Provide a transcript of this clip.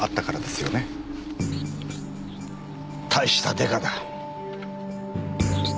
大したデカだ。